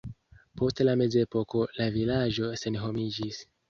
Post la mezepoko la vilaĝo senhomiĝis.